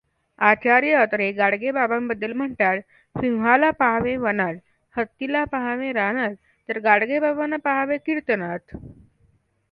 आचार्य अत्रे गाडगेबाबांबद्दल म्हणतात सिंहाला पाहावे वनात, हत्तीला पाहावे रानात, तर गाडगेबाबांना पाहावे कीर्तनात.